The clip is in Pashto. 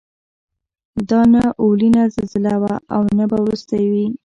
دا نه اولینه زلزله وه او نه به وروستۍ وي.